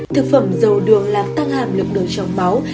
thực phẩm dầu đường làm tăng hàm lượng đồ trong máu